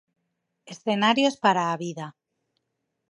Escenarios para a vida.